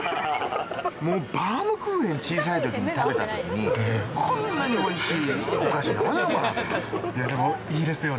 もうバウムクーヘン、小さいときに食べたときに、こんなにおいしでも、いいですよね。